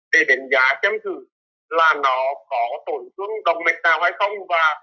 để đánh giá chăm thử là nó có tổn thương đồng mẹt nào hay không và